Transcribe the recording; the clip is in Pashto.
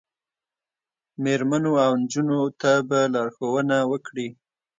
میرمنو او نجونو ته به لارښوونه وکړي